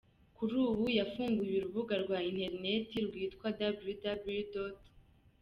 Kuri ubu yafunguye urubuga rwa interineti rwitwa www.